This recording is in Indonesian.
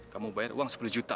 kamu bayar uang sepuluh juta